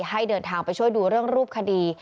ให้เดินทางไปช่วยดูเรื่องรูปคดี